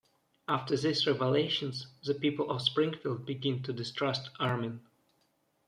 After these revelations, the people of Springfield begin to distrust Armin.